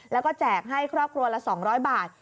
แล้วก็แจกให้ครอบครัวละ๒๐๐บาท